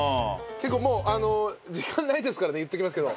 結構もうあの時間ないですからね言っときますけど。